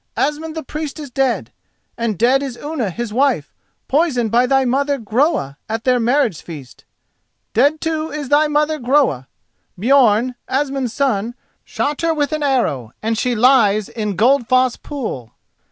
Asmund the Priest is dead, and dead is Unna his wife, poisoned by thy mother, Groa, at their marriage feast. Dead, too, is thy mother, Groa. Björn, Asmund's son, shot her with an arrow, and she lies in Goldfoss pool."